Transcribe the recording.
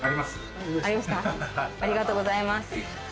ありがとうございます。